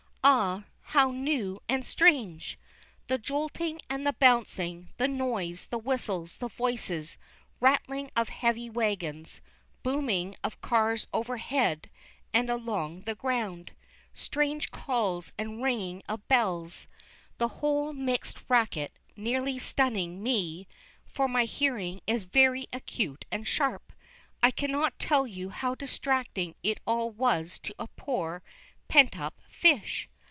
Ah, how new and strange! The jolting and the bouncing, the noise, the whistles, the voices, rattling of heavy wagons, booming of cars overhead and along the ground, strange calls and ringing of bells, the whole mixed racket nearly stunning me, for my hearing is very acute and sharp. I cannot tell you how distracting it all was to a poor, pent up fish.